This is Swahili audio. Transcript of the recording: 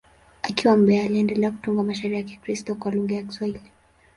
Akiwa Mbeya, aliendelea kutunga mashairi ya Kikristo kwa lugha ya Kiswahili.